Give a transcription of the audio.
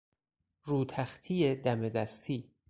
روتختی دم دستی